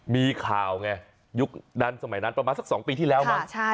มีข่าวไงยุคนั้นสมัยนั้นประมาณสัก๒ปีที่แล้วมั้ง